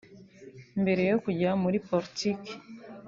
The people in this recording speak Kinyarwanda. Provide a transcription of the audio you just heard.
Mbere yo kujya muri politike